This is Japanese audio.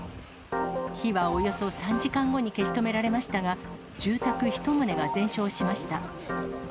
火はおよそ３時間後に消し止められましたが、住宅１棟が全焼しました。